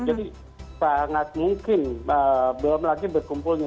jadi sangat mungkin belum lagi berkumpulnya